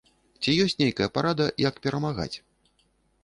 Ці ёсць нейкая парада, як перамагаць?